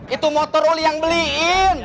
itu motor oli yang beliin